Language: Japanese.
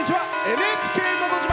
「ＮＨＫのど自慢」